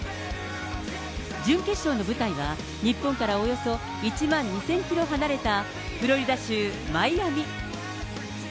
準決勝の舞台は日本からおよそ１万２０００キロ離れたフロリダ州マイアミ。